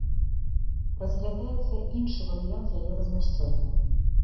Разглядаецца іншы варыянт яе размяшчэння.